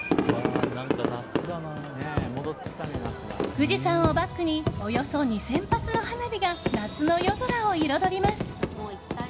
富士山をバックにおよそ２０００発の花火が夏の夜空を彩ります。